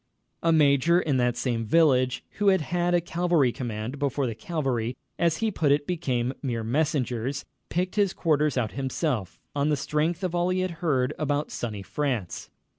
A major in that same village who had had a cavalry command before the cavalry, as he put it, became "mere messengers," picked his quarters out himself, on the strength of all he had heard about "Sunny France."